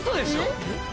えっ！？